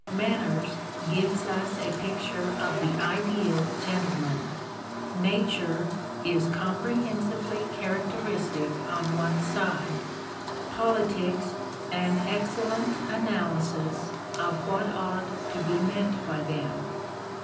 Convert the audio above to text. " Manners " gives us a picture of the ideal gentleman. " Nature " is comprehensively characteristic on one side; "Politics," an excellent analysis of vphat ought to be meant by them.